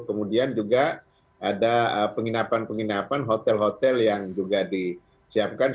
kemudian juga ada penginapan penginapan hotel hotel yang juga disiapkan